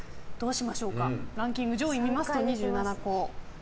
ランキング上位を見ると２７個。